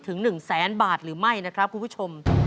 ๑แสนบาทหรือไม่นะครับคุณผู้ชม